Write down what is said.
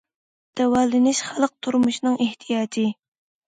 داۋالىنىش خەلق تۇرمۇشىنىڭ ئېھتىياجى.